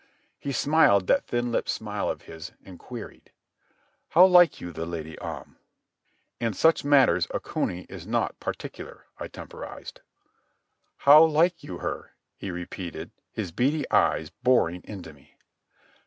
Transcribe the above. He smiled that thin lipped smile of his, and queried: "How like you the Lady Om?" "In such matters a cuny is naught particular," I temporized. "How like you her?" he repeated, his beady eyes boring into me.